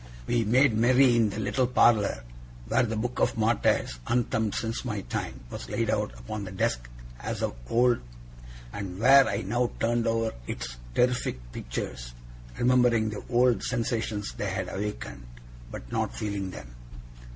We made merry in the little parlour, where the Book of Martyrs, unthumbed since my time, was laid out upon the desk as of old, and where I now turned over its terrific pictures, remembering the old sensations they had awakened, but not feeling them.